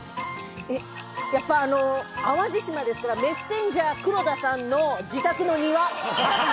やっぱ淡路島ですから、メッセンジャー・黒田さんの自宅の庭。